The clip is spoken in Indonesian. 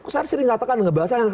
saya disini ngatakan ngebahasnya